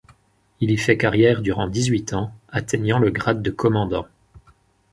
Il y fait carrière durant dix-huit ans, atteignant le grade de commandant.